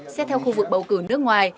xét theo khu vực bầu cử nước ngoài